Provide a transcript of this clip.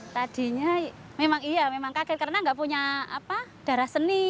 tadinya memang kaget karena tidak punya darah seni